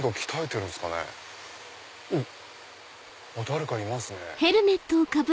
誰かいますね。